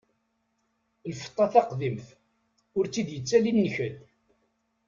Lfeṭṭa taqdimt, ur tt-id-ittali nnkel.